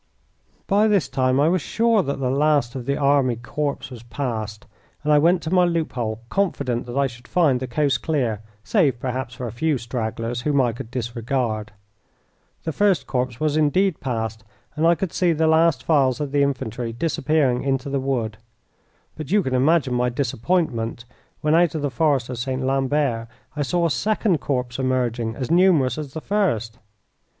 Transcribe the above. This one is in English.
By this time I was sure that the last of the army corps was past, and I went to my loophole confident that I should find the coast clear, save, perhaps, for a few stragglers, whom I could disregard. The first corps was indeed past, and I could see the last files of the infantry disappearing into the wood; but you can imagine my disappointment when out of the Forest of St. Lambert I saw a second corps emerging, as numerous as the first.